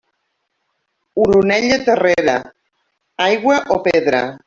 Oronella terrera, aigua o pedra.